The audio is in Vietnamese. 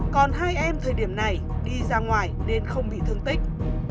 còn hai em thời điểm này đi ra ngoài nên không bị thương tích